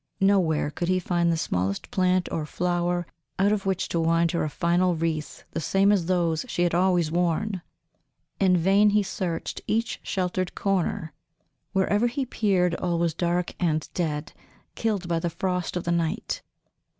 Nowhere could he find the smallest plant or flower out of which to wind her a final wreath the same as those she had always worn. In vain he searched each sheltered corner; wherever he peered, all was dark and dead, killed by the frost of the night.